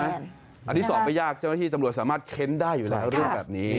อันที่สองก็ยากเจ้าหน้าที่ตำรวจสามารถเค้นได้อยู่แล้วเรื่องแบบนี้